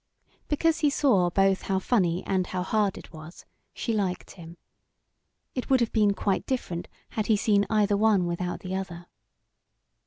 Because he saw both how funny and how hard it was, she liked him. It would have been quite different had he seen either one without the other.